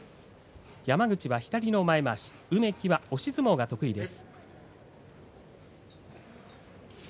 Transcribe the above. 山口は左の前まわし梅木は押し相撲が得意です。